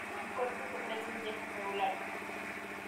Ambos puertos ofrecen viajes regulares.